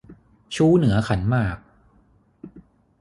ชู้เหนือขันหมาก